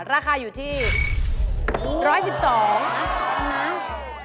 ราคาอยู่ที่๑๑๒นะ